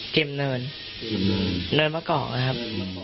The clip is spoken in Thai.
เกมเนินเนินประกอบนะครับ